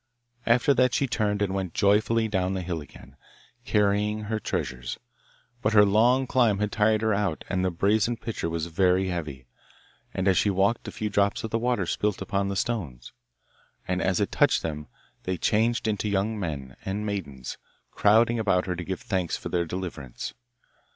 After that she turned, and went joyfully down the hill again, carrying her treasures, but her long climb had tired her out, and the brazen pitcher was very heavy, and as she walked a few drops of the water spilt on the stones, and as it touched them they changed into young men and maidens, crowding about her to give thanks for their deliverance.